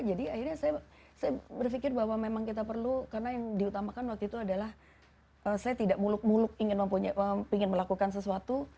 jadi akhirnya saya berpikir bahwa memang kita perlu karena yang diutamakan waktu itu adalah saya tidak muluk muluk ingin melakukan sesuatu